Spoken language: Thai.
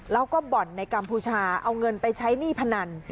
แล้วก็บ่อนในกัมพูชาเอาเงินไปใช้หนี้พนัน